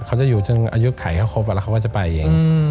เขาจะอยู่จนอายุไขก็ครบแล้วเขาก็จะไปเอง